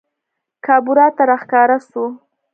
کابورا ته راښکاره سوو